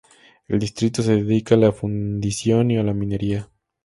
El distrito se dedica a la fundición y a la minería.